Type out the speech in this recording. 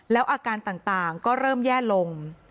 แล้วอาการต่างก็เริ่มแย่ลง